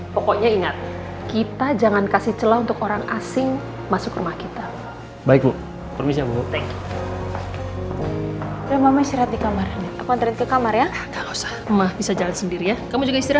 pokoknya ingat kita jangan kasih celah untuk orang asing masuk rumah kita